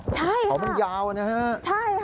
ใช่ค่ะใช่ค่ะเขามันยาวนะ